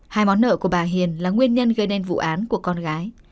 hai món nợ của bà hiền là nguyên nhân gây nên vụ án của con gái